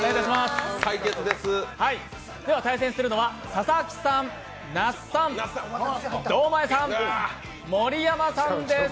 対戦するのは佐々木さん、那須さん堂前さん、盛山さんです。